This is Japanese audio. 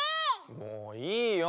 もういいよ。